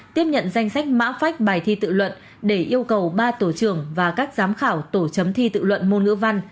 tiếp nhận danh sách mã phách bài thi tự luận để yêu cầu ba tổ trưởng và các giám khảo tổ chấm thi tự luận môn ngữ văn